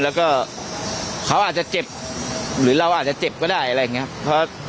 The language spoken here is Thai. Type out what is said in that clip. แล้วก็เขาอาจจะเจ็บหรือเราอาจจะเจ็บก็ได้อะไรอย่างนี้ครับ